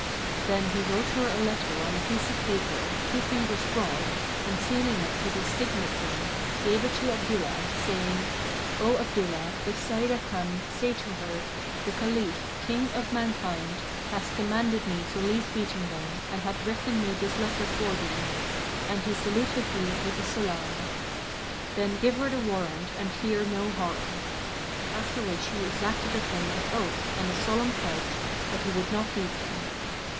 Then he wrote her a letter on a piece of paper, two fingers broad, and sealing it with his signet ring, gave it to Abdullah, saying, "O Abdullah, if Sa'idah come, say to her, 'The Caliph, King of mankind, hath commanded me to leave beating them and hath written me this letter for thee; and he saluteth thee with the salam.' Then give her the warrant and fear no harm." After which he exacted of him an oath and a solemn pledge that he would not beat them.